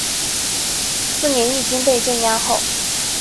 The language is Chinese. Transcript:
次年义军被镇压后。